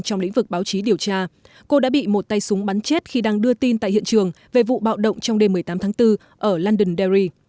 trong lĩnh vực báo chí điều tra cô đã bị một tay súng bắn chết khi đang đưa tin tại hiện trường về vụ bạo động trong đêm một mươi tám tháng bốn ở london dory